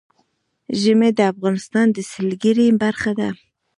ژمی د افغانستان د سیلګرۍ برخه ده.